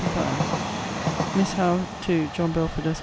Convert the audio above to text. LETTER LV MISS HOWE, TO JOHN BELFORD, ESQ.